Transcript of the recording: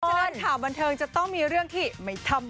ฉะนั้นข่าวบันเทิงจะต้องมีเรื่องที่ไม่ธรรมดา